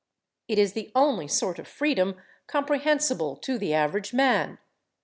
It is the only sort of freedom comprehensible to the average man.